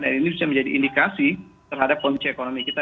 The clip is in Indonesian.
ini bisa menjadi indikasi terhadap kondisi ekonomi kita